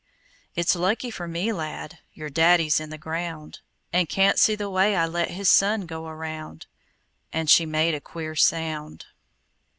"It's lucky for me, lad, Your daddy's in the ground, And can't see the way I let His son go around!" And she made a queer sound.